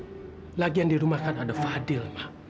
ma lagi yang di rumah kan ada fadil ma